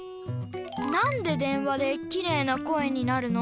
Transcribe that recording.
なんで電話でキレイな声になるの？